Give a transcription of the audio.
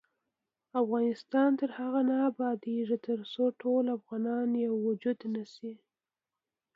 افغانستان تر هغو نه ابادیږي، ترڅو ټول افغانان یو وجود نشي.